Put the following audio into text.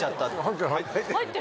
入ってる。